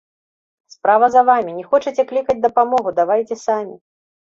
Справа за вамі, не хочаце клікаць дапамогу, давайце самі.